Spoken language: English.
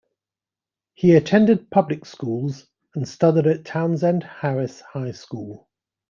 He attended public schools and studied at Townsend Harris High School.